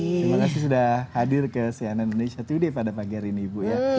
terima kasih sudah hadir ke cnn indonesia today pada pagi hari ini ibu ya